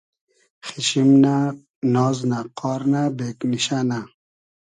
خیشیم نۂ ، ناز نۂ، قار نۂ ، بېگنیشۂ نۂ